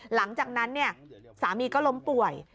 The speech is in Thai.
หลังจากนั้นสามีก็ล้มป่วย